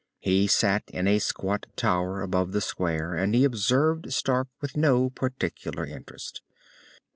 He sat in a squat tower above the square, and he observed Stark with no particular interest.